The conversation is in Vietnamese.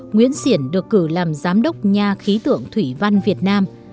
nguyễn xiển được cử làm giám đốc nha khí tượng thủy văn việt nam